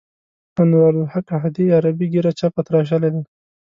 انوارالحق احدي عربي ږیره چپه تراشلې ده.